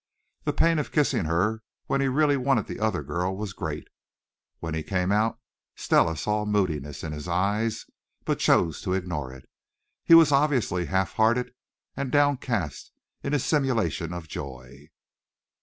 The pain of kissing her when he really wanted the other girl was great. When he came out Stella saw moodiness in his eyes, but chose to ignore it. He was obviously half hearted and downcast in his simulation of joy.